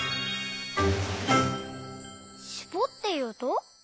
「しぼっていうと」？